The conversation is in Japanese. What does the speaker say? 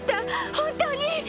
本当に！